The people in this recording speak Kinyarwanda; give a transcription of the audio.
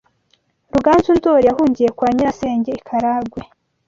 Ruganzu Ndori yahungiye kwa nyira senge iKaragwe